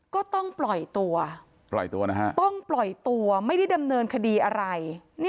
ก็ต้องปล่อยตัวต้องปล่อยตัวไม่ได้ดำเนินคดีอะไร